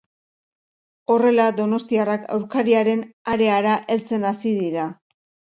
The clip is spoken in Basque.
Horrela, donostiarrak aurkariaren areara heltzen hasi dira.